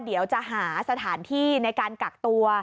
เดี๋ยวจะหาสถานที่ในการกักตัว